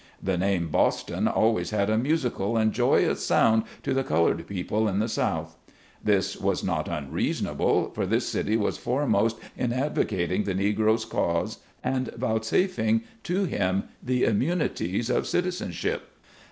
The name Boston always had a musical and joyous sound to the colored people in the South. This was not unreasonable, for this city was foremost in advocating the Negro's cause and vouchsafing to him the immunities of citizenship.